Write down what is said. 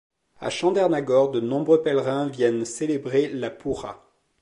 À Chandernagor, de nombreux pèlerins viennent célébrer la puja.